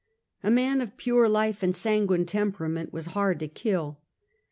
A man of pure life and sanguine tem perament was hard to kill.